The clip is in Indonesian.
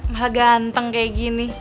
malah ganteng kayak gini